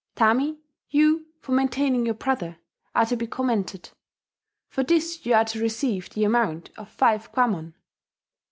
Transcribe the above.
Tami, you, for maintaining your brother, are to be commended: for this you are to receive the amount of five kwammon.